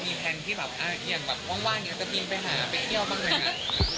มีแพลนที่ว่างว่างอยากจะพิมพ์ไปเที่ยวบ้างไหม